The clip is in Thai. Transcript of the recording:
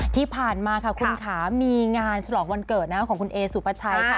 ที่ผ่านมาค่ะคุณขามีงานฉลองวันเกิดของคุณเอสุปชัยค่ะ